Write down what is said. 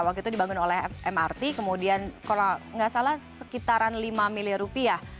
waktu itu dibangun oleh mrt kemudian kalau nggak salah sekitaran lima miliar rupiah